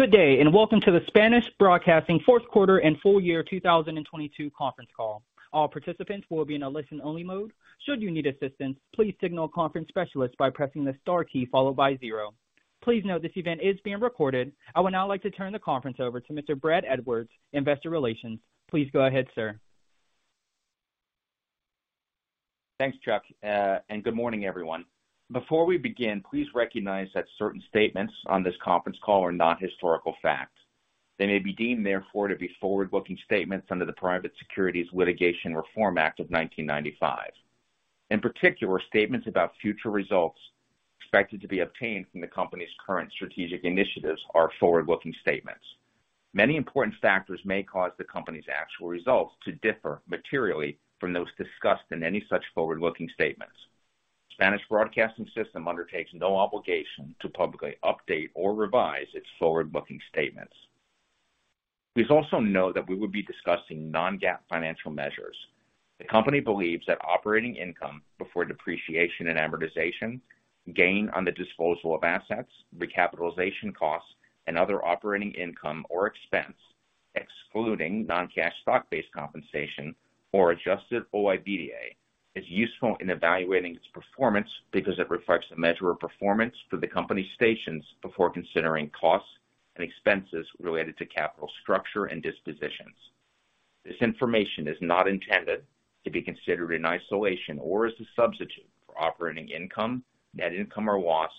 Good day, welcome to the Spanish Broadcasting fourth quarter and full year 2022 conference call. All participants will be in a listen-only mode. Should you need assistance, please signal a conference specialist by pressing the star key followed by zero. Please note this event is being recorded. I would now like to turn the conference over to Mr. Brad Edwards, Investor Relations. Please go ahead, sir. Thanks, Chuck, good morning, everyone. Before we begin, please recognize that certain statements on this conference call are not historical facts. They may be deemed therefore to be forward-looking statements under the Private Securities Litigation Reform Act of 1995. In particular, statements about future results expected to be obtained from the company's current strategic initiatives are forward-looking statements. Many important factors may cause the company's actual results to differ materially from those discussed in any such forward-looking statements. Spanish Broadcasting System undertakes no obligation to publicly update or revise its forward-looking statements. Please also know that we will be discussing non-GAAP financial measures. The company believes that operating income before depreciation and amortization, gain on the disposal of assets, recapitalization costs, and other operating income or expense, excluding non-cash stock-based compensation or adjusted OIBDA, is useful in evaluating its performance because it reflects the measure of performance for the company's stations before considering costs and expenses related to capital structure and dispositions. This information is not intended to be considered in isolation or as a substitute for operating income, net income or loss,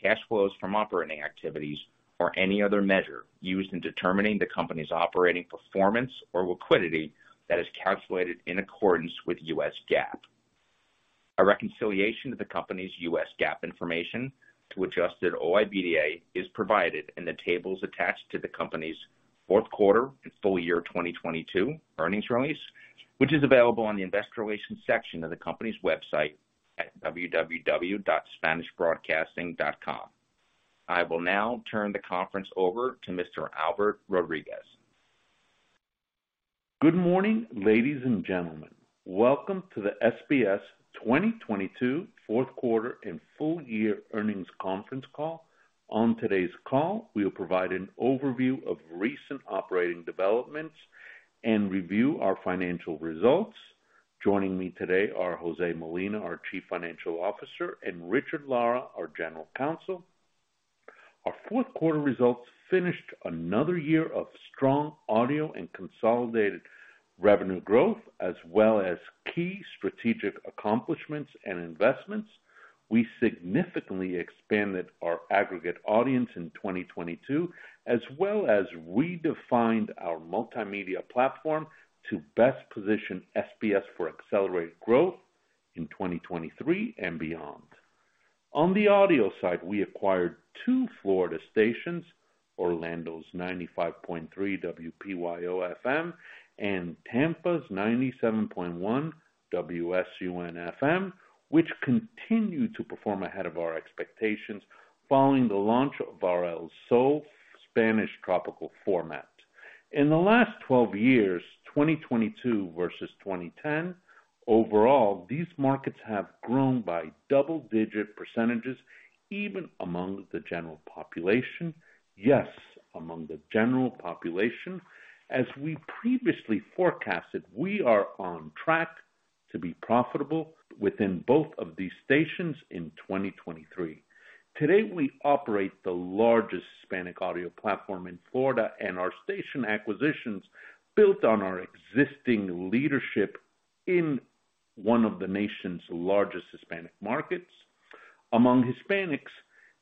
cash flows from operating activities, or any other measure used in determining the company's operating performance or liquidity that is calculated in accordance with US GAAP. A reconciliation of the company's US GAAP information to adjusted OIBDA is provided in the tables attached to the company's fourth quarter and full year 2022 earnings release, which is available on the investor relations section of the company's website at www.spanishbroadcasting.com. I will now turn the conference over to Mr. Albert Rodriguez. Good morning, ladies and gentlemen. Welcome to the SBS 2022 fourth quarter and full year earnings conference call. On today's call, we'll provide an overview of recent operating developments and review our financial results. Joining me today are Jose Molina, our Chief Financial Officer, and Richard Lara, our General Counsel. Our fourth quarter results finished another year of strong audio and consolidated revenue growth, as well as key strategic accomplishments and investments. We significantly expanded our aggregate audience in 2022, as well as redefined our multimedia platform to best position SBS for accelerated growth in 2023 and beyond. On the audio side, we acquired two Florida stations, Orlando's 95.3 WPYO FM and Tampa's 97.1 WSUN FM, which continue to perform ahead of our expectations following the launch of our El Sol Spanish tropical format. In the last 12 years, 2022 versus 2010, overall, these markets have grown by double-digit percentages, even among the general population. Yes, among the general population. As we previously forecasted, we are on track to be profitable within both of these stations in 2023. Today, we operate the largest Hispanic audio platform in Florida, and our station acquisitions built on our existing leadership in one of the nation's largest Hispanic markets. Among Hispanics,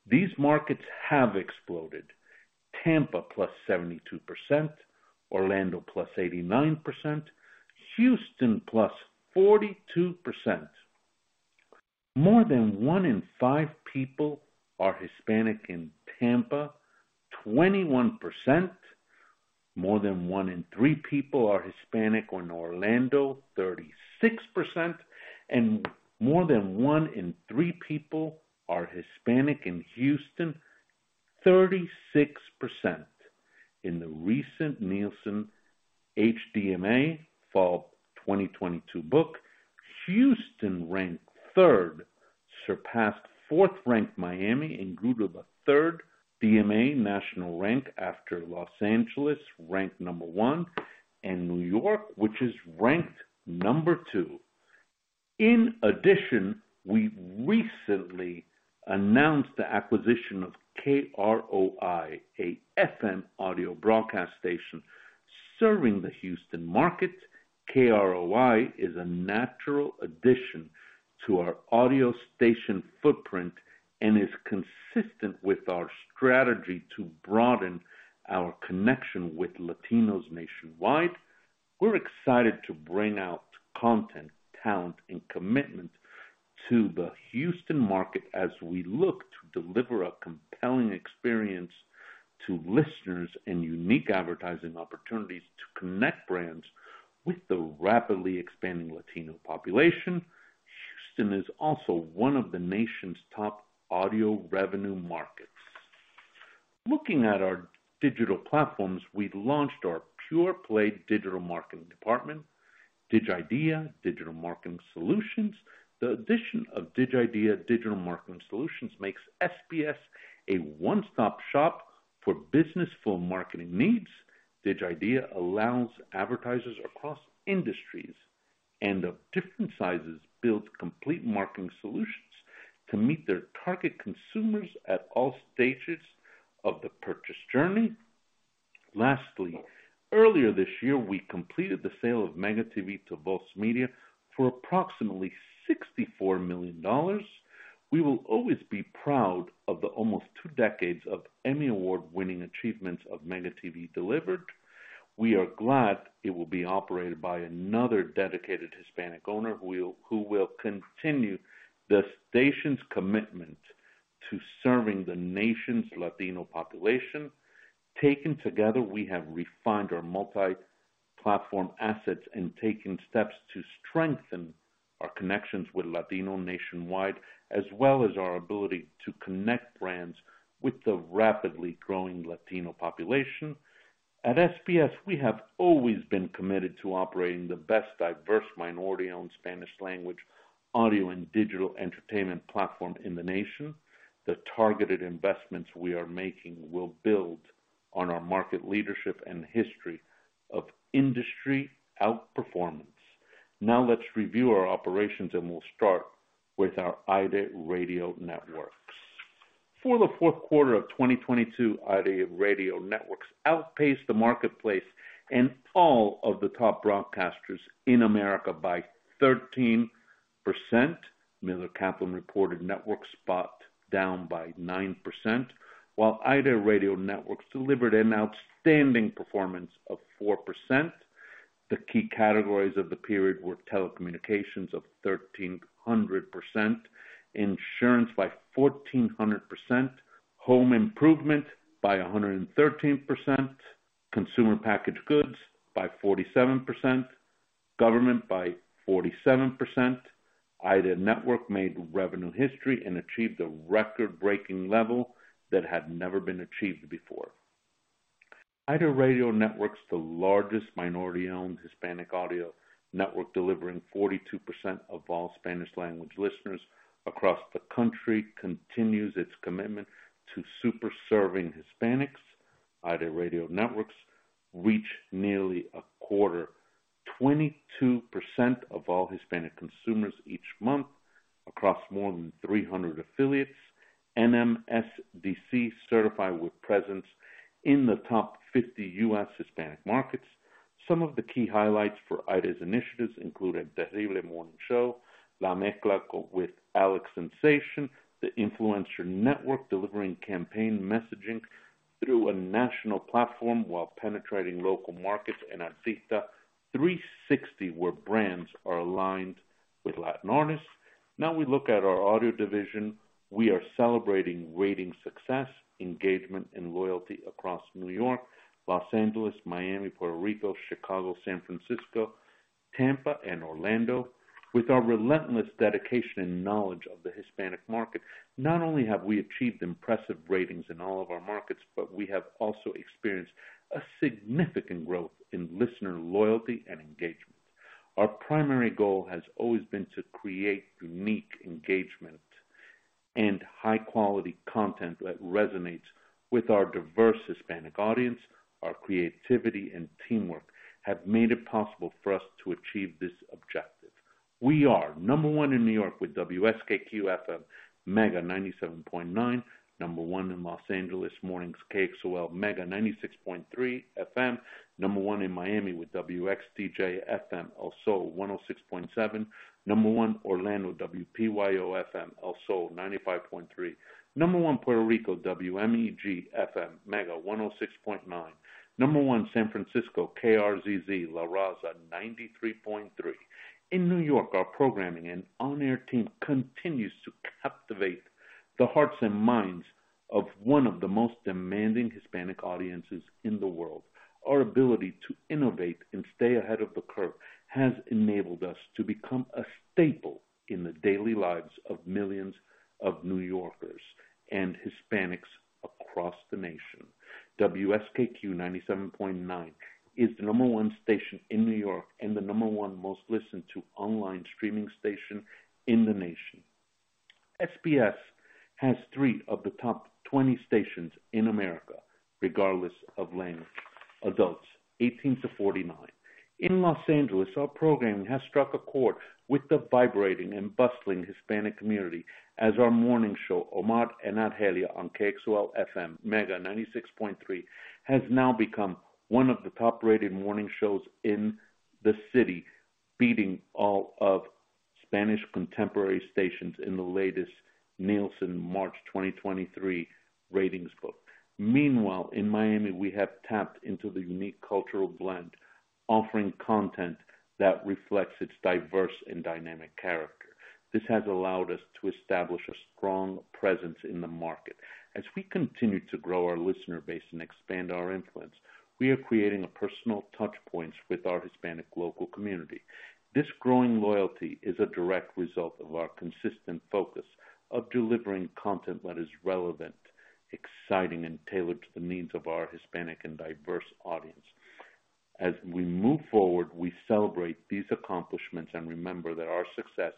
these markets have exploded. Tampa +72%, Orlando +89%, Houston +42%. More than one in five people are Hispanic in Tampa, 21%. More than one in three people are Hispanic in Orlando, 36%. More than one in three people are Hispanic in Houston, 36%. In the recent Nielsen HDMA Fall 2022 book, Houston ranked third, surpassed fourth-ranked Miami, and grew to the third DMA national rank after Los Angeles, ranked number one, and New York, which is ranked number two. We recently announced the acquisition of KROI, a FM audio broadcast station serving the Houston market. KROI is a natural addition to our audio station footprint and is consistent with our strategy to broaden our connection with Latinos nationwide. We're excited to bring out content, talent, and commitment to the Houston market as we look to deliver a compelling experience to listeners and unique advertising opportunities to connect brands with the rapidly expanding Latino population. Houston is also one of the nation's top audio revenue markets. Looking at our digital platforms, we've launched our pure-play digital marketing department. DigIdea, Digital Marketing Solutions. The addition of DigIdea, Digital Marketing Solutions makes SBS a one-stop shop for business full marketing needs. DigIdea allows advertisers across industries and of different sizes build complete marketing solutions to meet their target consumers at all stages of the purchase journey. Lastly, earlier this year, we completed the sale of Mega TV to Voz Media for approximately $64 million. We will always be proud of the almost two decades of Emmy Award-winning achievements of Mega TV delivered. We are glad it will be operated by another dedicated Hispanic owner who will continue the station's commitment to serving the nation's Latino population. Taken together, we have refined our multi-platform assets and taken steps to strengthen our connections with Latino nationwide, as well as our ability to connect brands with the rapidly growing Latino population. At SBS, we have always been committed to operating the best diverse minority-owned Spanish language audio and digital entertainment platform in the nation. The targeted investments we are making will build on our market leadership and history of industry outperformance. Now let's review our operations, and we'll start with our AIRE Radio Networks. For the fourth quarter of 2022, AIRE Radio Networks outpaced the marketplace and all of the top broadcasters in America by 13%. Miller Kaplan reported network spot down by 9%, while AIRE Radio Networks delivered an outstanding performance of 4%. The key categories of the period were telecommunications of 1,300%, insurance by 1,400%, home improvement by 113%, consumer packaged goods by 47%, government by 47%. AIRE Network made revenue history and achieved a record-breaking level that had never been achieved before. AIRE Radio Networks, the largest minority-owned Hispanic audio network, delivering 42% of all Spanish language listeners across the country, continues its commitment to super serving Hispanics. AIRE Radio Networks reach nearly a quarter, 22% of all Hispanic consumers each month across more than 300 affiliates. NMSDC certified with presence in the top 50 U.S. Hispanic markets. Some of the key highlights for AIRE's initiatives include El Terrible Morning Show, La Mezcla con Alex Sensation, the Influencer Network, delivering campaign messaging through a national platform while penetrating local markets, and Artista 360, where brands are aligned with Latin artists. We look at our audio division. We are celebrating rating success, engagement, and loyalty across New York, Los Angeles, Miami, Puerto Rico, Chicago, San Francisco, Tampa, and Orlando. With our relentless dedication and knowledge of the Hispanic market, not only have we achieved impressive ratings in all of our markets, but we have also experienced a significant growth in listener loyalty and engagement. Our primary goal has always been to create unique engagement and high-quality content that resonates with our diverse Hispanic audience. Our creativity and teamwork have made it possible for us to achieve this objective. We are number one in New York with WSKQ-FM Mega 97.9. Number one in Los Angeles mornings KXOL Mega 96.3 FM. Number one in Miami with WXDJ-FM El Zol 106.7. Number one Orlando WPYO-FM El Zol 95.3. Number one Puerto Rico WMEG-FM Mega 106.9. Number one San Francisco, KRZZ La Raza 93.3. In New York, our programming and on-air team continues to captivate the hearts and minds of one of the most demanding Hispanic audiences in the world. Our ability to innovate and stay ahead of the curve has enabled us to become a staple in the daily lives of millions of New Yorkers and Hispanics across the nation. WSKQ 97.9 is the number one station in New York and the number one most listened to online streaming station in the nation. SBS has three of the top 20 stations in America, regardless of language. Adults 18 to 49. In Los Angeles, our programming has struck a chord with the vibrating and bustling Hispanic community as our morning show, Omar and Argelia on KXOL-FM Mega 96.3, has now become one of the top-rated morning shows in the city, beating all of Spanish contemporary stations in the latest Nielsen March 2023 ratings book. Meanwhile, in Miami, we have tapped into the unique cultural blend, offering content that reflects its diverse and dynamic character. This has allowed us to establish a strong presence in the market. As we continue to grow our listener base and expand our influence, we are creating personal touchpoints with our Hispanic local community. This growing loyalty is a direct result of our consistent focus of delivering content that is relevant exciting and tailored to the needs of our Hispanic and diverse audience. As we move forward, we celebrate these accomplishments and remember that our success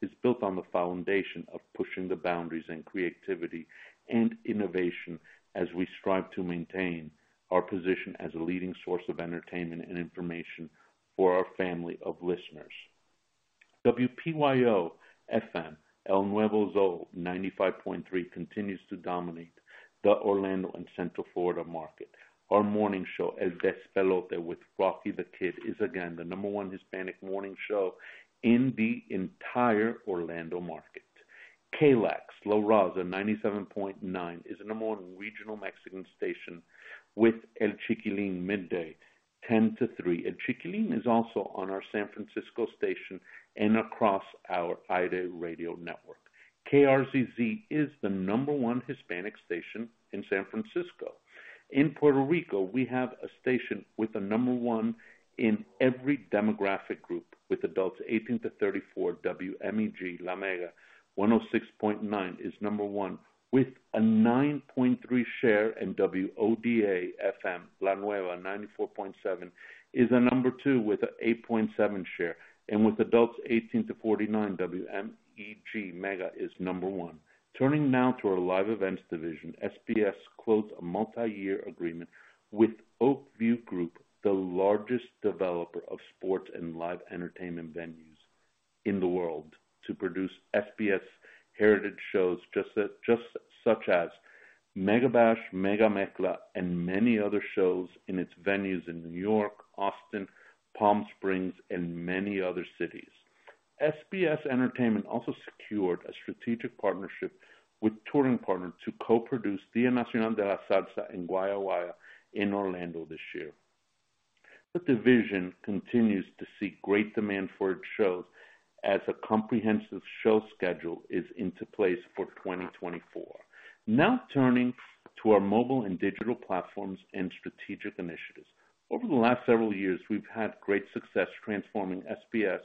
is built on the foundation of pushing the boundaries in creativity and innovation as we strive to maintain our position as a leading source of entertainment and information for our family of listeners. WPYO-FM El Nuevo Zol 95.3 continues to dominate the Orlando and Central Florida market. Our morning show, El Despelote with Rocky the Kid, is again the number one Hispanic morning show in the entire Orlando market. KLAX La Raza 97.9 is the number one regional Mexican station with El Chikilin midday, 10 to three. El Chikilin is also on our San Francisco station and across our AIRE Radio Networks. KRZZ is the number one Hispanic station in San Francisco. In Puerto Rico, we have a station with a number one in every demographic group with adults 18 to 34. WMEG La Mega 106.9 is number one with a 9.3% share. WODA FM La Nueva 94.7 is a number two with an 8.7% share, and with adults 18 to 49, WMEG Mega is number one. Turning now to our live events division. SBS closed a multi-year agreement with Oak View Group, the largest developer of sports and live entertainment venues in the world, to produce SBS heritage shows just such as Mega Bash, Mega Mezcla, and many other shows in its venues in New York, Austin, Palm Springs, and many other cities. SBS Entertainment also secured a strategic partnership with Touring Partners to co-produce Día Nacional de la Salsa and Guaya Guaya in Orlando this year. The division continues to see great demand for its shows as a comprehensive show schedule is into place for 2024. Turning to our mobile and digital platforms and strategic initiatives. Over the last several years, we've had great success transforming SBS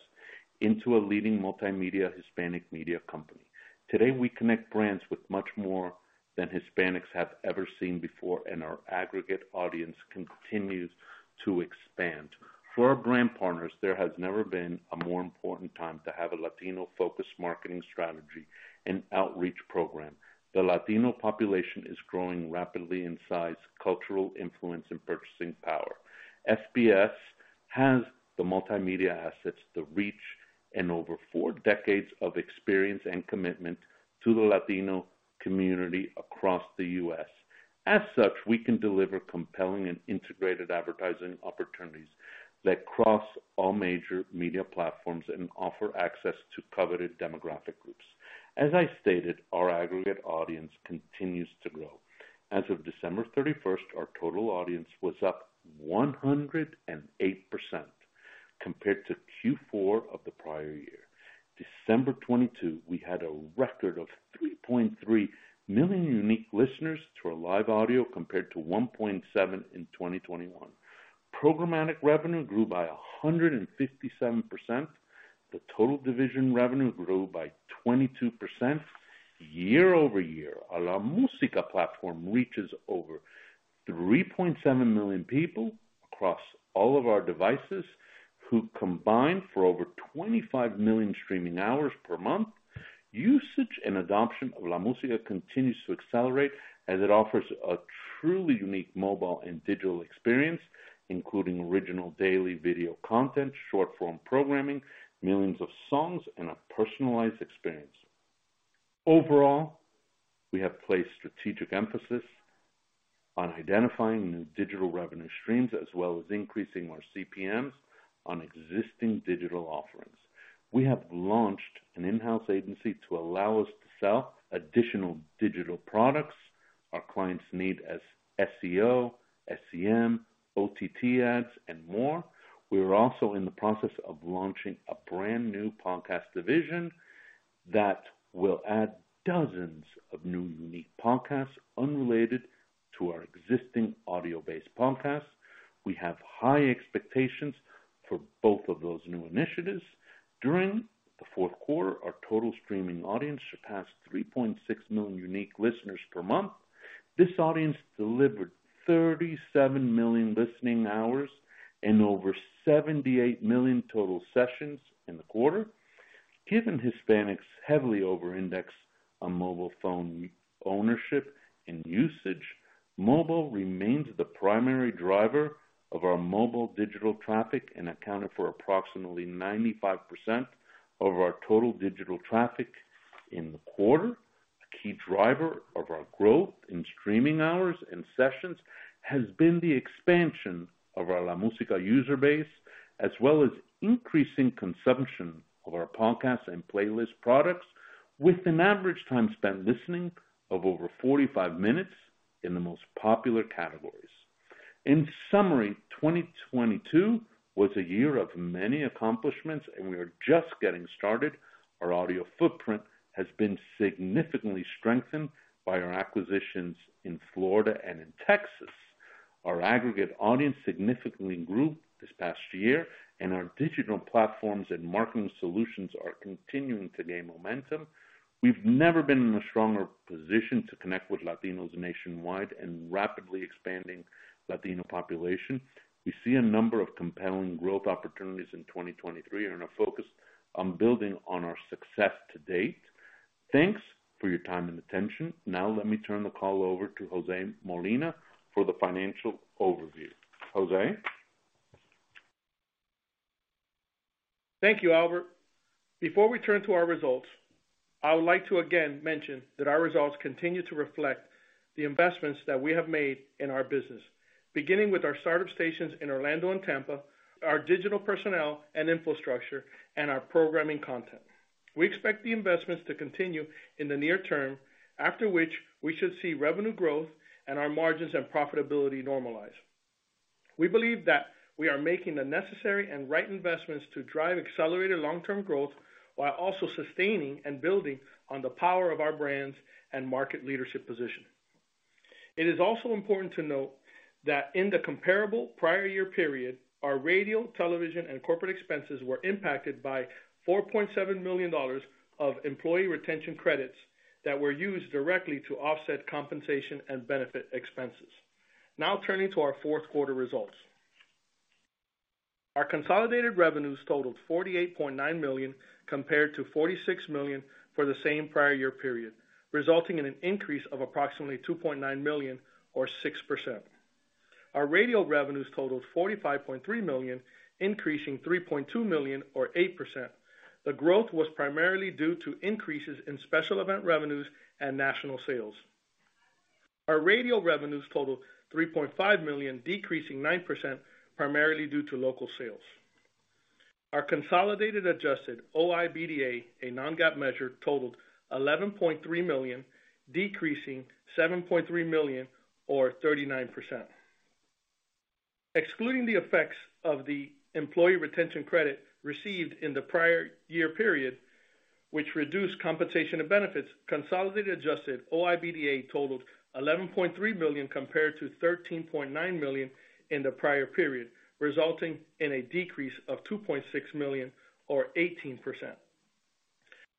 into a leading multimedia Hispanic media company. Today, we connect brands with much more than Hispanics have ever seen before, and our aggregate audience continues to expand. For our brand partners, there has never been a more important time to have a Latino-focused marketing strategy and outreach program. The Latino population is growing rapidly in size, cultural influence, and purchasing power. SBS has the multimedia assets, the reach, and over four decades of experience and commitment to the Latino community across the U.S. We can deliver compelling and integrated advertising opportunities that cross all major media platforms and offer access to coveted demographic groups. As I stated, our aggregate audience continues to grow. As of December 31st, our total audience was up 108% compared to Q4 of the prior year. December 2022, we had a record of 3.3 million unique listeners to our live audio compared to 1.7 in 2021. Programmatic revenue grew by 157%. The total division revenue grew by 22% year-over-year. Our LaMusica platform reaches over 3.7 million people across all of our devices, who combine for over 25 million streaming hours per month. Usage and adoption of LaMusica continues to accelerate as it offers a truly unique mobile and digital experience, including original daily video content, short-form programming, millions of songs, and a personalized experience. Overall, we have placed strategic emphasis on identifying new digital revenue streams as well as increasing our CPMs on existing digital offerings. We have launched an in-house agency to allow us to sell additional digital products our clients need as SEO, SEM, OTT ads, and more. We are also in the process of launching a brand new podcast division that will add dozens of new unique podcasts unrelated to our existing audio-based podcasts. We have high expectations for both of those new initiatives. During the fourth quarter, our total streaming audience surpassed 3.6 million unique listeners per month. This audience delivered 37 million listening hours and over 78 million total sessions in the quarter. Given Hispanics heavily over-index on mobile phone ownership and usage, mobile remains the primary driver of our mobile digital traffic and accounted for approximately 95% of our total digital traffic in the quarter. A key driver of our growth in streaming hours and sessions has been the expansion of our LaMusica user base as well as increasing consumption of our podcast and playlist products with an average time spent listening of over 45 minutes in the most popular categories. In summary, 2022 was a year of many accomplishments, and we are just getting started. Our audio footprint has been significantly strengthened by our acquisitions in Florida and in Texas. Our aggregate audience significantly grew this past year, and our digital platforms and marketing solutions are continuing to gain momentum. We've never been in a stronger position to connect with Latinos nationwide and rapidly expanding Latino population. We see a number of compelling growth opportunities in 2023 and are focused on building on our success to date. Thanks for your time and attention. Let me turn the call over to Jose Molina for the financial overview. Jose? Thank you, Albert. Before we turn to our results, I would like to again mention that our results continue to reflect the investments that we have made in our business. Beginning with our startup stations in Orlando and Tampa, our digital personnel and infrastructure, and our programming content. We expect the investments to continue in the near term, after which we should see revenue growth and our margins and profitability normalize. We believe that we are making the necessary and right investments to drive accelerated long-term growth while also sustaining and building on the power of our brands and market leadership position. It is also important to note that in the comparable prior year period, our radio, television, and corporate expenses were impacted by $4.7 million of Employee Retention Credit that were used directly to offset compensation and benefit expenses. Turning to our fourth quarter results. Our consolidated revenues totaled $48.9 million, compared to $46 million for the same prior year period, resulting in an increase of approximately $2.9 million, or 6%. Our radio revenues totaled $45.3 million, increasing $3.2 million or 8%. The growth was primarily due to increases in special event revenues and national sales. Our radio revenues totaled $3.5 million, decreasing 9% primarily due to local sales. Our consolidated adjusted OIBDA, a non-GAAP measure, totaled $11.3 million, decreasing $7.3 million, or 39%. Excluding the effects of the Employee Retention Credit received in the prior year period, which reduced compensation and benefits, consolidated adjusted OIBDA totaled $11.3 million compared to $13.9 million in the prior period, resulting in a decrease of $2.6 million or 18%.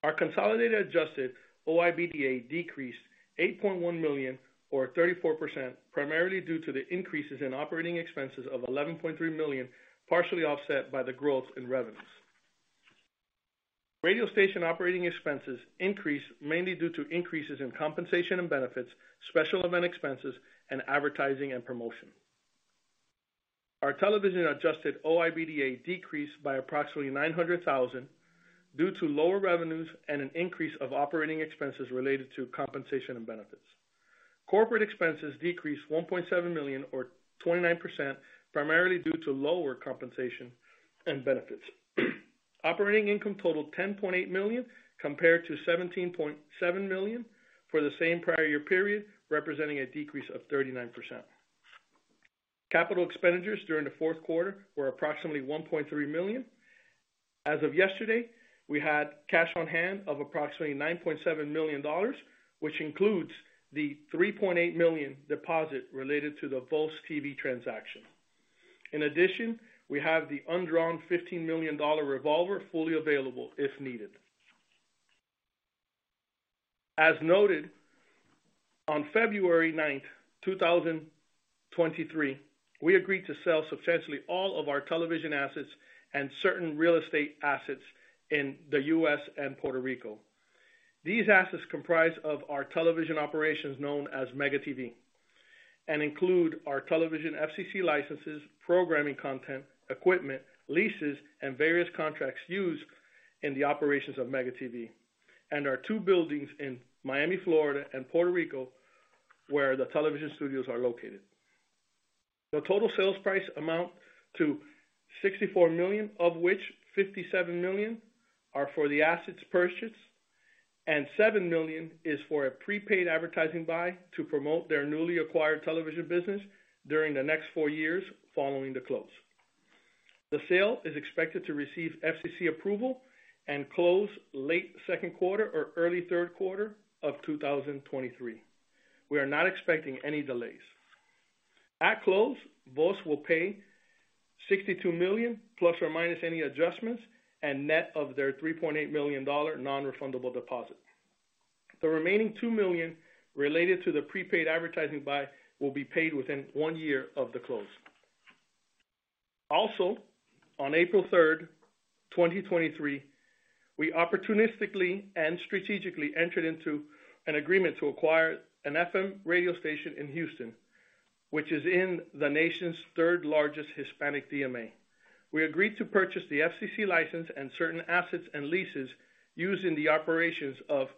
Our consolidated adjusted OIBDA decreased $8.1 million or 34%, primarily due to the increases in operating expenses of $11.3 million, partially offset by the growth in revenues. Radio station operating expenses increased mainly due to increases in compensation and benefits, special event expenses, and advertising and promotion. Our television adjusted OIBDA decreased by approximately $900,000 due to lower revenues and an increase of operating expenses related to compensation and benefits. Corporate expenses decreased $1.7 million or 29%, primarily due to lower compensation and benefits. Operating income totaled $10.8 million, compared to $17.7 million for the same prior year period, representing a decrease of 39%. Capital expenditures during the fourth quarter were approximately $1.3 million. As of yesterday, we had cash on hand of approximately $9.7 million, which includes the $3.8 million deposit related to the VOZ TV transaction. In addition, we have the undrawn $15 million revolver fully available, if needed. As noted, on February 9, 2023, we agreed to sell substantially all of our television assets and certain real estate assets in the U.S. and Puerto Rico. These assets comprise of our television operations known as MEGA TV and include our television FCC licenses, programming content, equipment, leases, and various contracts used in the operations of MEGA TV, and our two buildings in Miami, Florida and Puerto Rico, where the television studios are located. The total sales price amounts to $64 million, of which $57 million are for the assets purchased, and $7 million is for a prepaid advertising buy to promote their newly acquired television business during the next four years following the close. The sale is expected to receive FCC approval and close late second quarter or early third quarter of 2023. We are not expecting any delays. At close, VOZ will pay $62 million plus or minus any adjustments and net of their $3.8 million non-refundable deposit. The remaining $2 million related to the prepaid advertising buy will be paid within one year of the close. On April 3, 2023, we opportunistically and strategically entered into an agreement to acquire an FM radio station in Houston, which is in the nation's third largest Hispanic DMA. We agreed to purchase the FCC license and certain assets and leases used in the operations of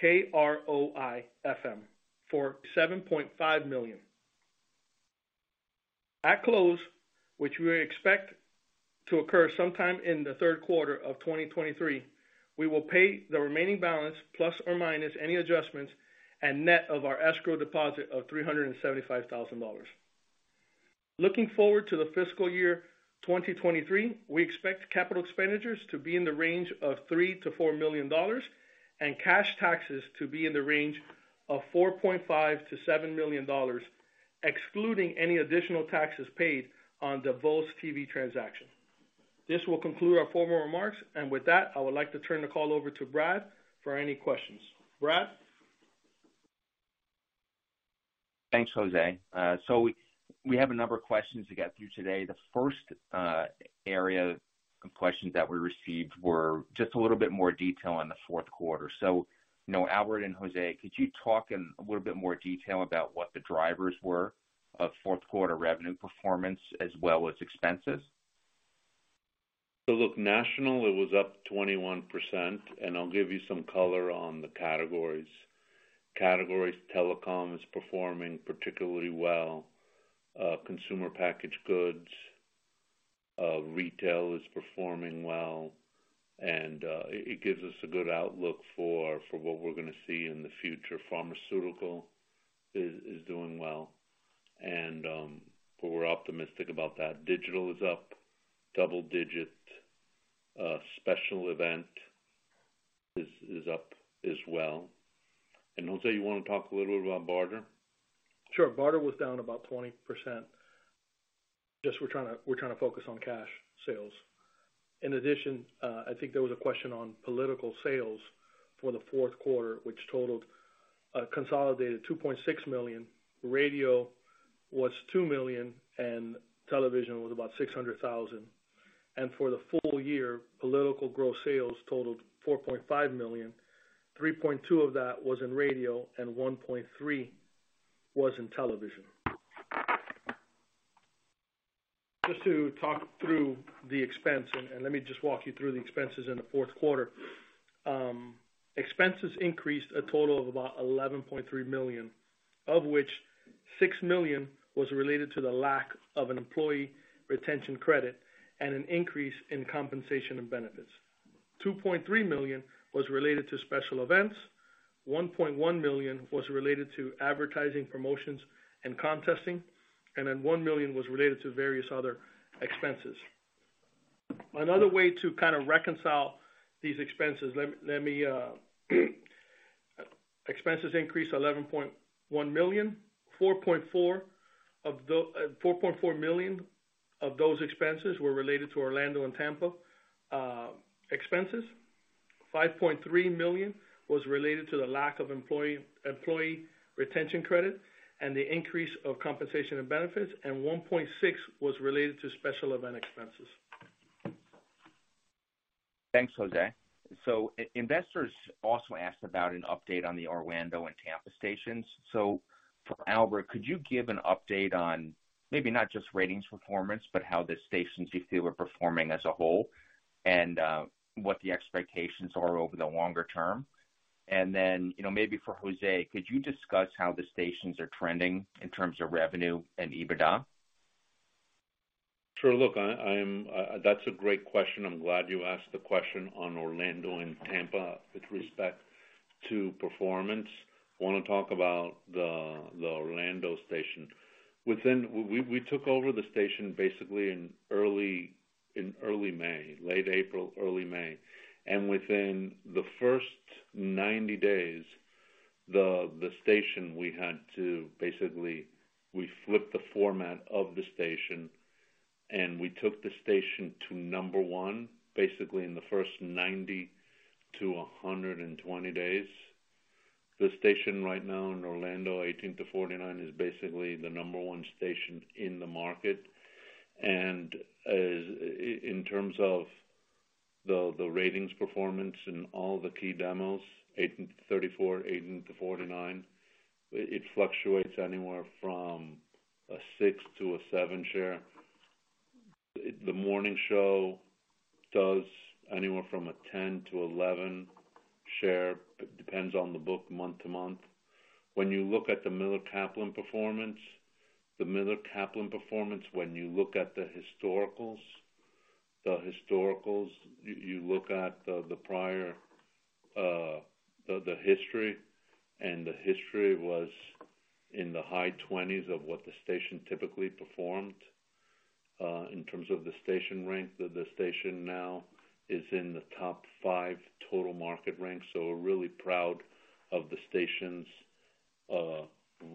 KROI-FM for $7.5 million. At close, which we expect to occur sometime in the third quarter of 2023, we will pay the remaining balance plus or minus any adjustments and net of our escrow deposit of $375,000. Looking forward to the fiscal year 2023, we expect capital expenditures to be in the range of $3 million-$4 million and cash taxes to be in the range of $4.5 million-$7 million, excluding any additional taxes paid on the VOZ TV transaction. This will conclude our formal remarks, and with that, I would like to turn the call over to Brad for any questions. Brad? Thanks, Jose. We have a number of questions to get through today. The first area of questions that we received were just a little bit more detail on the fourth quarter. You know, Albert and Jose, could you talk in a little bit more detail about what the drivers were of fourth quarter revenue performance as well as expenses? Look, national, it was up 21%, and I'll give you some color on the categories. Categories, telecom is performing particularly well. consumer packaged goods, retail is performing well, and it gives us a good outlook for what we're gonna see in the future. Pharmaceutical is doing well, and we're optimistic about that. Digital is up double digit. special event is up as well. Jose, you wanna talk a little bit about barter? Sure. Barter was down about 20%. Just we're trying to focus on cash sales. In addition, I think there was a question on political sales for the fourth quarter, which totaled a consolidated $2.6 million. Radio was $2 million, television was about $600,000. For the full year, political gross sales totaled $4.5 million. 3.2 of that was in radio, 1.3 was in television. Just to talk through the expense, and let me just walk you through the expenses in the fourth quarter. Expenses increased a total of about $11.3 million, of which $6 million was related to the lack of an Employee Retention Credit and an increase in compensation and benefits. $2.3 million was related to special events. $1.1 million was related to advertising promotions and contesting, and then $1 million was related to various other expenses. Another way to kind of reconcile these expenses, let me expenses increased $11.1 million, $4.4 million of those expenses were related to Orlando and Tampa expenses. $5.3 million was related to the lack of Employee Retention Credit and the increase of compensation and benefits, and $1.6 was related to special event expenses. Thanks, José. Investors also asked about an update on the Orlando and Tampa stations. For Albert, could you give an update on maybe not just ratings performance, but how the stations you feel are performing as a whole and what the expectations are over the longer term? You know, maybe for José, could you discuss how the stations are trending in terms of revenue and EBITDA? Sure. Look, that's a great question. I'm glad you asked the question on Orlando and Tampa with respect to performance. I wanna talk about the Orlando station. We took over the station basically in early May, late April, early May. Within the first 90 days, the station, we had to basically, we flipped the format of the station, and we took the station to number one, basically in the first 90 to 120 days. The station right now in Orlando, 18-49, is basically the number one station in the market. In terms of the ratings performance in all the key demos, 18-34, 18-49, it fluctuates anywhere from a six-seven share. The morning show does anywhere from a 10-11 share. It depends on the book month to month. When you look at the Miller Kaplan performance, when you look at the historicals, you look at the prior history, and the history was in the high twenties of what the station typically performed in terms of the station rank. The station now is in the top five total market rank. We're really proud of the station's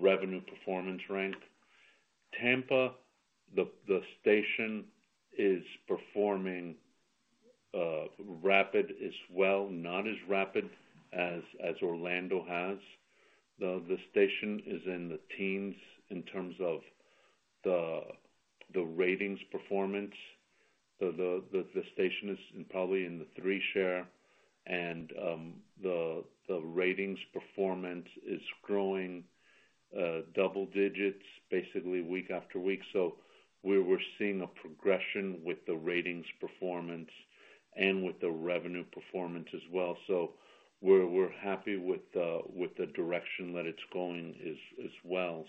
revenue performance rank. Tampa, the station is performing rapid as well, not as rapid as Orlando has. The station is in the teens in terms of the ratings performance. The station is probably in the three share and the ratings performance is growing double digits basically week after week. We're seeing a progression with the ratings performance and with the revenue performance as well. We're happy with the direction that it's going as well.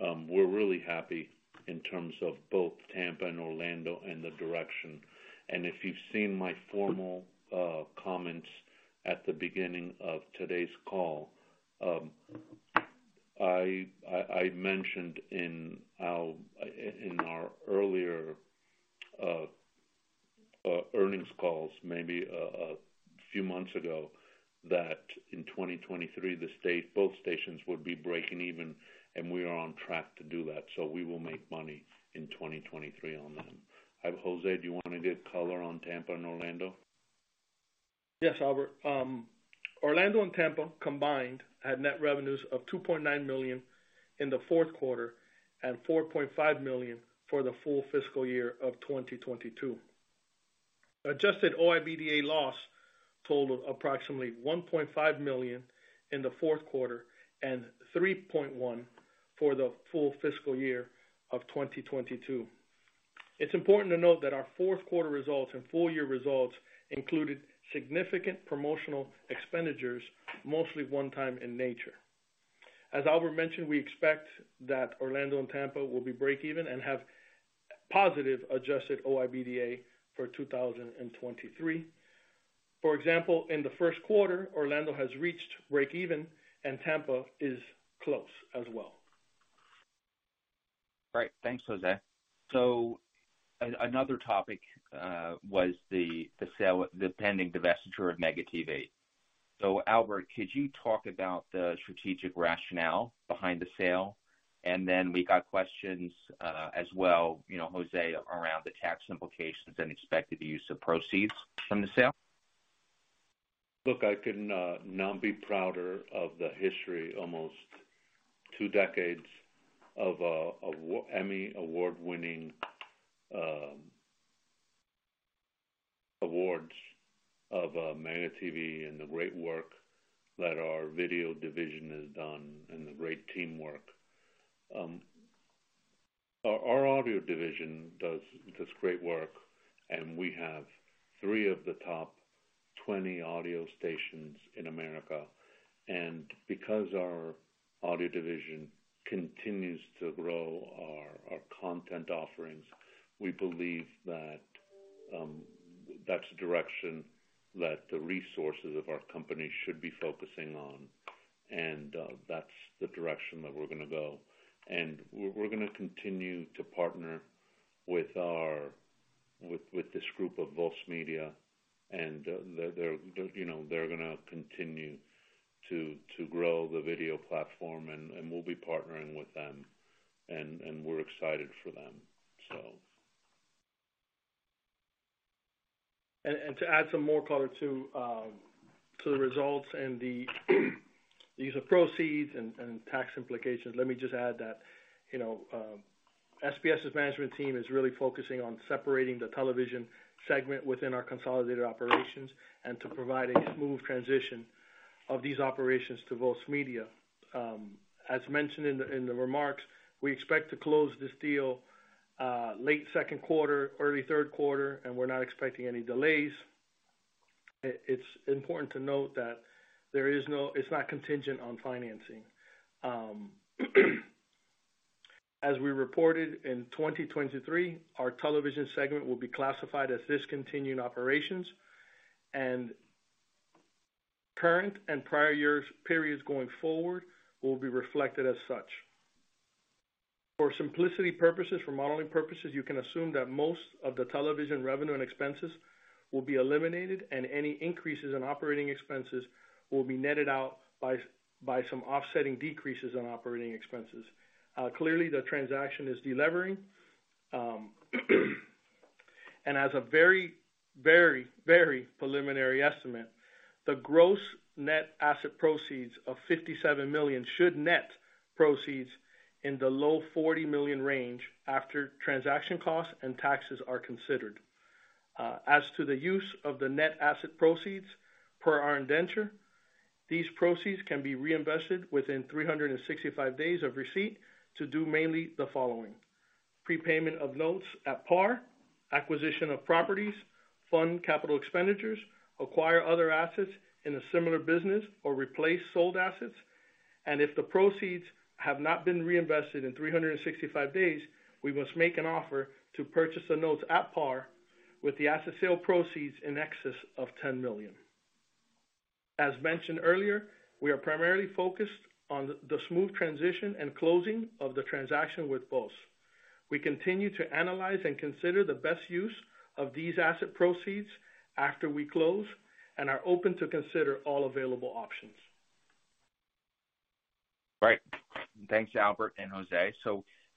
We're really happy in terms of both Tampa and Orlando and the direction. If you've seen my formal comments at the beginning of today's call, I mentioned in our earlier earnings calls maybe a few months ago that in 2023, both stations would be breaking even and we are on track to do that, so we will make money in 2023 on them. Jose, do you wanna give color on Tampa and Orlando? Yes, Albert. Orlando and Tampa combined had net revenues of $2.9 million in the fourth quarter and $4.5 million for the full fiscal year of 2022. Adjusted OIBDA loss totaled approximately $1.5 million in the fourth quarter and $3.1 million for the full fiscal year of 2022. It's important to note that our fourth quarter results and full year results included significant promotional expenditures, mostly one-time in nature. As Albert mentioned, we expect that Orlando and Tampa will be break-even and have positive adjusted OIBDA for 2023. For example, in the first quarter, Orlando has reached break-even and Tampa is close as well. Great. Thanks, José. Another topic was the sale, the pending divestiture of Mega TV. Albert, could you talk about the strategic rationale behind the sale? Then we got questions as well, you know, José, around the tax implications and expected use of proceeds from the sale. Look, I can not be prouder of the history almost two decades of Emmy Award-winning awards of Mega TV and the great work that our video division has done and the great teamwork. Our audio division does great work, and we have three of the top 20 audio stations in America. Because our audio division continues to grow our content offerings, we believe that's the direction that the resources of our company should be focusing on. That's the direction that we're gonna go. We're gonna continue to partner with this group of Voz Media, and they're, you know, they're gonna continue to grow the video platform and we'll be partnering with them and we're excited for them. To add some more color to the results and the use of proceeds and tax implications, let me just add that, you know, SBS's management team is really focusing on separating the television segment within our consolidated operations and to provide a smooth transition of these operations to Voz Media. As mentioned in the, in the remarks, we expect to close this deal, late second quarter, early third quarter, and we're not expecting any delays. It's important to note that it's not contingent on financing. As we reported in 2023, our television segment will be classified as discontinued operations, and current and prior years' periods going forward will be reflected as such. For simplicity purposes, for modeling purposes, you can assume that most of the television revenue and expenses will be eliminated, any increases in operating expenses will be netted out by some offsetting decreases in operating expenses. Clearly the transaction is delevering, as a very, very, very preliminary estimate, the gross net asset proceeds of $57 million should net proceeds in the low $40 million range after transaction costs and taxes are considered. As to the use of the net asset proceeds, per our indenture, these proceeds can be reinvested within 365 days of receipt to do mainly the following: prepayment of notes at par, acquisition of properties, fund capital expenditures, acquire other assets in a similar business or replace sold assets. If the proceeds have not been reinvested in 365 days, we must make an offer to purchase the notes at par with the asset sale proceeds in excess of $10 million. As mentioned earlier, we are primarily focused on the smooth transition and closing of the transaction with Voz. We continue to analyze and consider the best use of these asset proceeds after we close and are open to consider all available options. Right. Thanks, Albert and Jose.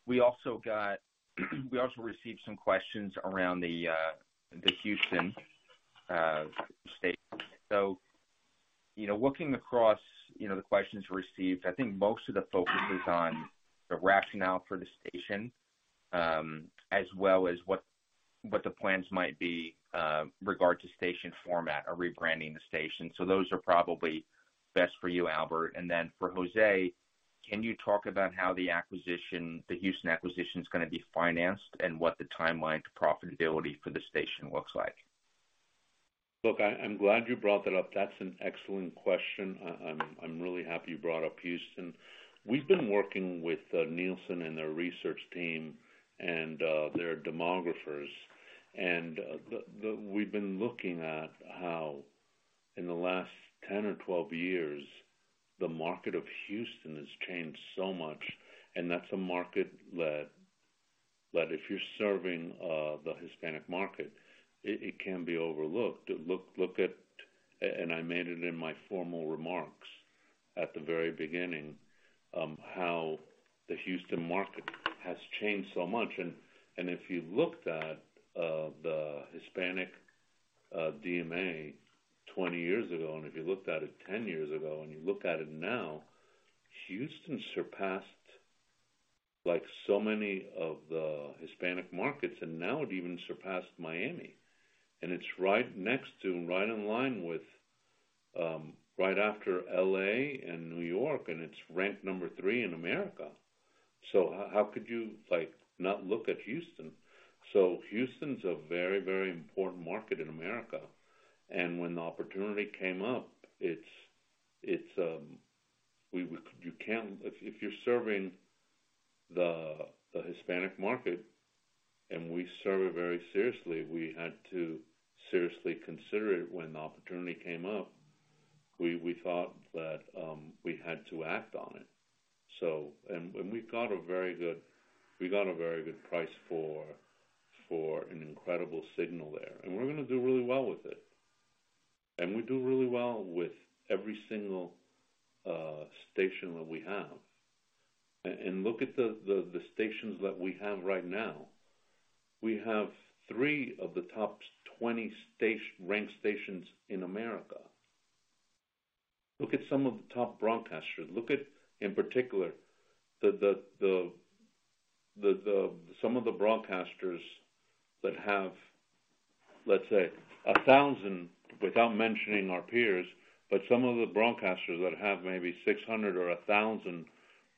We also received some questions around the Houston station. You know, looking across, you know, the questions received, I think most of the focus is on the rationale for the station, as well as what the plans might be regard to station format or rebranding the station. Those are probably best for you, Albert. Then for Jose, can you talk about how the acquisition, the Houston acquisition is gonna be financed and what the timeline to profitability for the station looks like? Look, I'm glad you brought that up. That's an excellent question. I'm really happy you brought up Houston. We've been working with Nielsen and their research team and their demographers. We've been looking at how in the last 10 or 12 years, the market of Houston has changed so much, and that if you're serving the Hispanic market, it can be overlooked. Look at, and I made it in my formal remarks at the very beginning, how the Houston market has changed so much. If you looked at the Hispanic DMA 20 years ago, and if you looked at it 10 years ago, and you look at it now, Houston surpassed like so many of the Hispanic markets, and now it even surpassed Miami. It's right next to, and right in line with, right after L.A. and New York, it's ranked number three in America. How could you, like, not look at Houston? Houston's a very important market in America. When the opportunity came up, it's, you can't, if you're serving the Hispanic market, and we serve it very seriously, we had to seriously consider it when the opportunity came up. We thought that we had to act on it. We got a very good price for an incredible signal there. We're gonna do really well with it. We do really well with every single station that we have. Look at the stations that we have right now. We have three of the top 20 ranked stations in America. Look at some of the top broadcasters. Look at, in particular, the some of the broadcasters that have, let's say, 1,000, without mentioning our peers, but some of the broadcasters that have maybe 600 or 1,000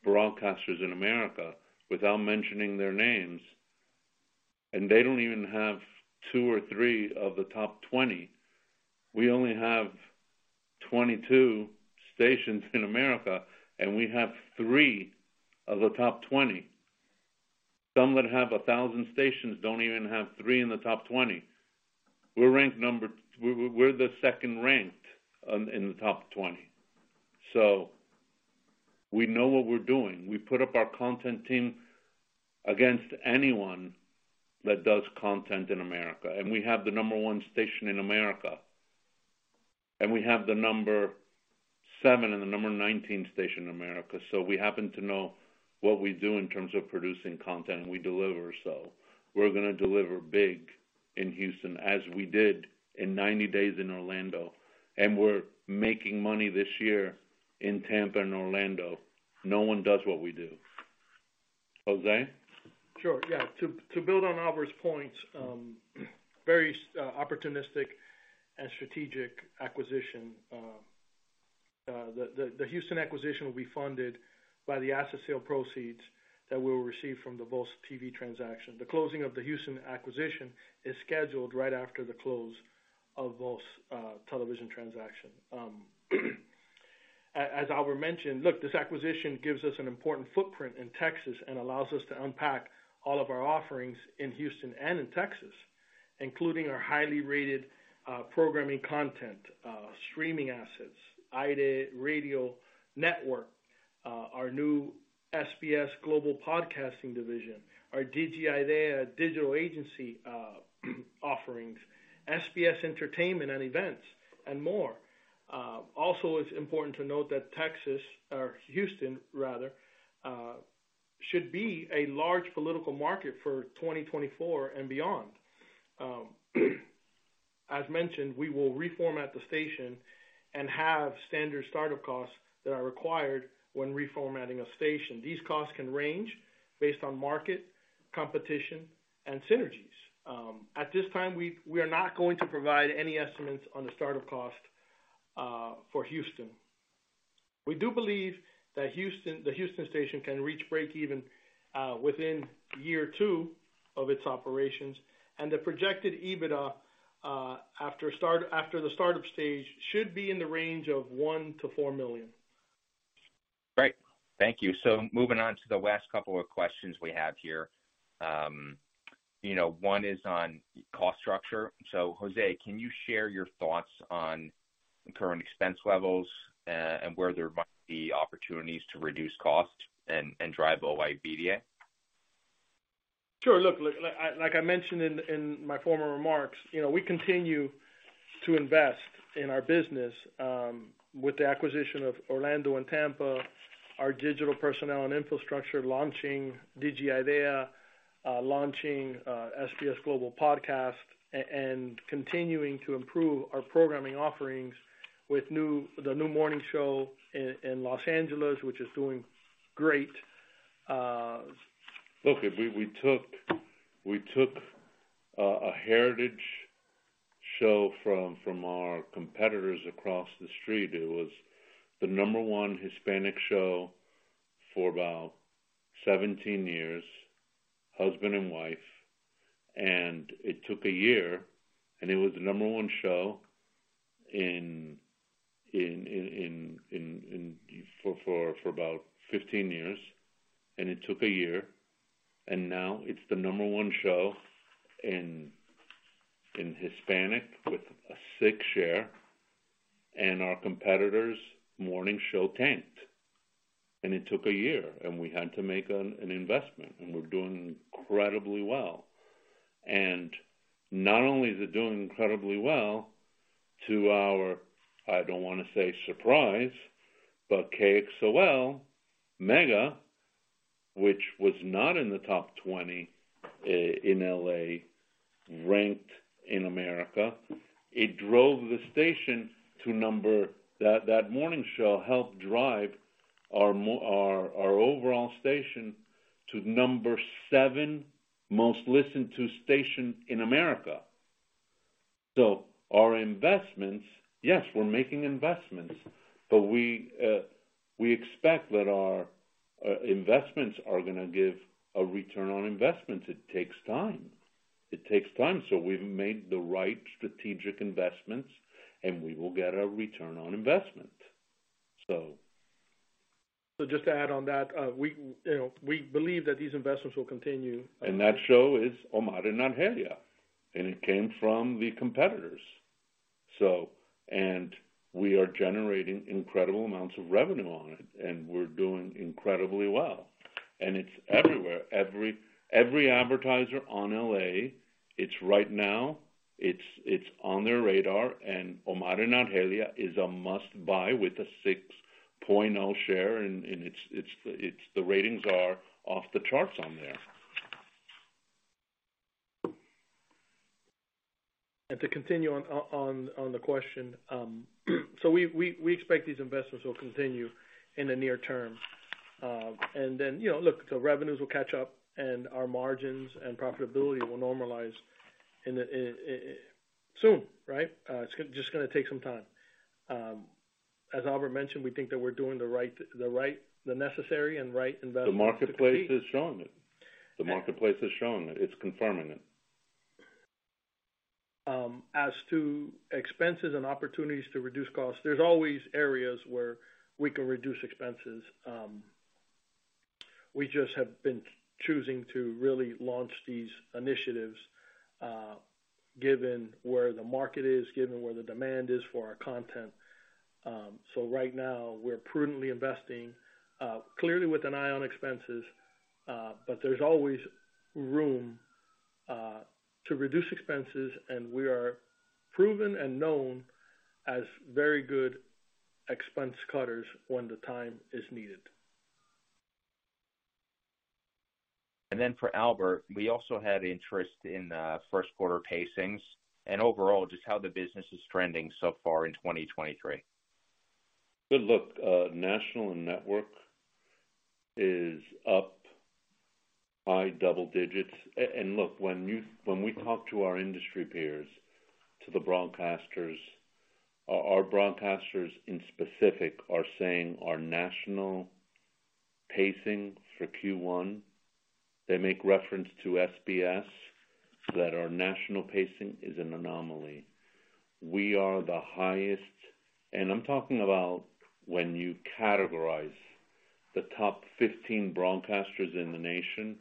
broadcasters in America without mentioning their names, and they don't even have two or three of the top 20. We only have 22 stations in America, and we have three of the top 20. Some that have 1,000 stations don't even have three in the top 20. We're the second ranked in the top 20. We know what we're doing. We put up our content team against anyone that does content in America. We have the number one station in America. We have the number seven and the number 19 station in America. We happen to know what we do in terms of producing content, and we deliver. We're gonna deliver big in Houston as we did in 90 days in Orlando, and we're making money this year in Tampa and Orlando. No one does what we do. Jose? Sure, yeah. To, to build on Albert's points, very opportunistic and strategic acquisition. The, the Houston acquisition will be funded by the asset sale proceeds that we'll receive from the VOZ TV transaction. The closing of the Houston acquisition is scheduled right after the close of VOZ television transaction. As Albert mentioned, look, this acquisition gives us an important footprint in Texas and allows us to unpack all of our offerings in Houston and in Texas, including our highly rated programming content, streaming assets, AIRE Radio Networks, our new SBS global podcasting division, our DigIdea digital agency offerings, SBS Entertainment, and more. It's important to note that Texas, or Houston rather, should be a large political market for 2024 and beyond. As mentioned, we will reformat the station and have standard startup costs that are required when reformatting a station. These costs can range based on market, competition, and synergies. At this time, we are not going to provide any estimates on the startup cost for Houston. We do believe that Houston, the Houston station can reach break even within year two of its operations, and the projected EBITDA after the startup stage should be in the range of $1 million-$4 million. Great. Thank you. Moving on to the last couple of questions we have here. you know, one is on cost structure. Jose, can you share your thoughts on current expense levels, and where there might be opportunities to reduce costs and drive OIBDA? Sure. Look, like I mentioned in my former remarks, you know, we continue to invest in our business, with the acquisition of Orlando and Tampa, our digital personnel and infrastructure launching DigiIdea, launching SBS Global Podcast, and continuing to improve our programming offerings with the new morning show in Los Angeles, which is doing great. Look, we took a heritage show from our competitors across the street. It was the number one Hispanic show for about 17 years, husband and wife. It took a year, and it was the number one show in for about 15 years. It took a year, and now it's the number one show in Hispanic with a six share, and our competitor's morning show tanked. It took a year, and we had to make an investment, and we're doing incredibly well. Not only is it doing incredibly well, to our, I don't wanna say surprise, but KXOL-FM Mega, which was not in the top 20 in L.A., ranked in America. It drove the station to number... That morning show helped drive our overall station to number seven most listened to station in America. Our investments, yes, we're making investments, but we expect that our investments are gonna give a return on investment. It takes time. It takes time. We've made the right strategic investments, we will get our return on investment. just to add on that, we, you know, we believe that these investments will continue. That show is Omar and Argelia, and it came from the competitors. We are generating incredible amounts of revenue on it, and we're doing incredibly well. It's everywhere. Every advertiser on L.A., it's right now, it's on their radar, and Omar and Argelia is a must-buy with a 6.0 share, and it's the ratings are off the charts on there. To continue on on the question, we expect these investments will continue in the near term. You know, look, the revenues will catch up and our margins and profitability will normalize in the soon, right? It's just gonna take some time. As Albert mentioned, we think that we're doing the right, the necessary and right investments to compete. The marketplace has shown it. The marketplace has shown that it's confirming it. As to expenses and opportunities to reduce costs, there's always areas where we can reduce expenses. We just have been choosing to really launch these initiatives, given where the market is, given where the demand is for our content. So right now we're prudently investing, clearly with an eye on expenses, but there's always room to reduce expenses, we are proven and known as very good expense cutters when the time is needed. For Albert, we also had interest in first quarter pacings and overall just how the business is trending so far in 2023. Look, national and network is up by double digits. Look, when we talk to our industry peers, to the broadcasters, our broadcasters in specific are saying our national pacing for Q1, they make reference to SBS, that our national pacing is an anomaly. We are the highest, and I'm talking about when you categorize the top 15 broadcasters in the nation,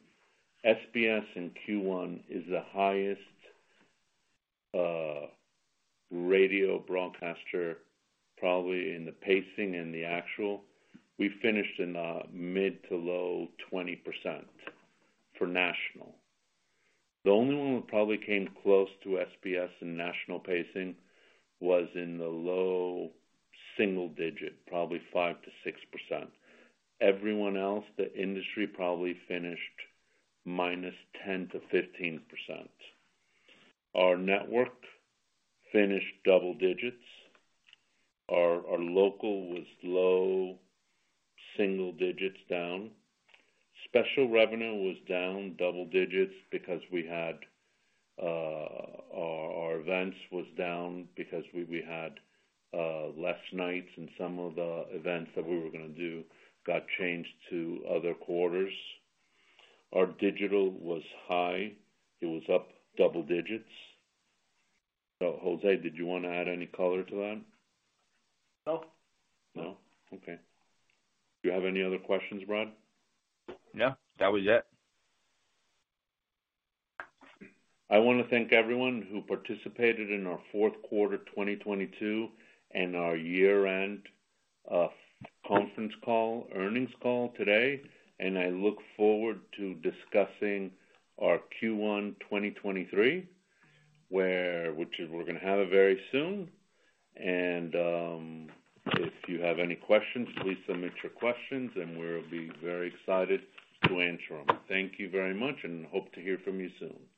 SBS in Q1 is the highest radio broadcaster probably in the pacing and the actual. We finished in the mid to low 20% for national. The only one who probably came close to SBS in national pacing was in the low single digit, probably 5%-6%. Everyone else, the industry probably finished -10% to -15%. Our network finished double digits. Our local was low single digits down. Special revenue was down double digits because we had our events was down because we had less nights and some of the events that we were gonna do got changed to other quarters. Our digital was high. It was up double digits. Jose, did you wanna add any color to that? No. No? Okay. Do you have any other questions, Brad? No, that was it. I wanna thank everyone who participated in our fourth quarter 2022 and our year-end conference call, earnings call today. I look forward to discussing our Q1 2023, which we're gonna have it very soon. If you have any questions, please submit your questions and we'll be very excited to answer them. Thank you very much and hope to hear from you soon. Thank you.